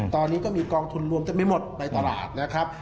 ตอนนี้ก็มีกองทุนรวมแต่ไม่หมดไปตลาด